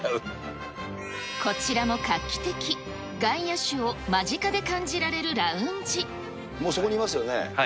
こちらも画期的、外野手を間もう、そこにいますよね。